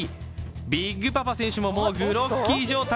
ビッグパパ選手ももうグロッキー状態。